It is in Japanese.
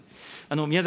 宮崎